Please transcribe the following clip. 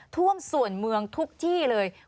ท่วมส่วนเมืองทุกที่เลย